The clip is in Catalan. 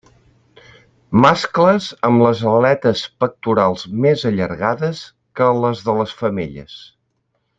Mascles amb les aletes pectorals més allargades que les de les femelles.